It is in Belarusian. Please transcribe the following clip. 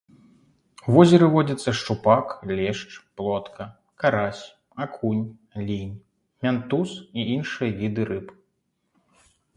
У возеры водзяцца шчупак, лешч, плотка, карась, акунь, лінь, мянтуз і іншыя віды рыб.